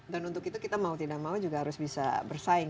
dan untuk itu kita mau tidak mau juga harus bisa bersaing